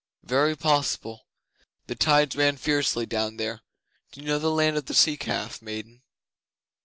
'Very possible. The tides ran fiercely down there. Do you know the land of the Sea calf, maiden?